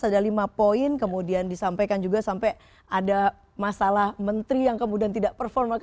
ada lima poin kemudian disampaikan juga sampai ada masalah menteri yang kemudian tidak performa